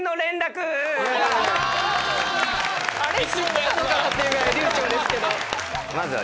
知ってたのかっていうぐらい流ちょうですけど。